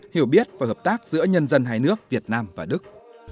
hiểu biết và hợp tác giữa nhân dân hai nước việt nam và đức